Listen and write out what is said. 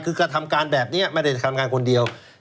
คือกระทำการแบบนี้ไม่ได้ทำงานคนเดียว